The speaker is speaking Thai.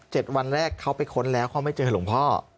วันแรกเขาไปค้นแล้วเขาไม่เจอหลวงพ่อ